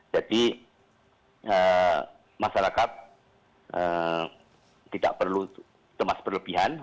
jadi masyarakat tidak perlu temas perlebihan